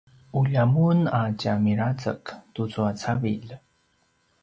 ulja mun a tja mirazek tucu a cavilj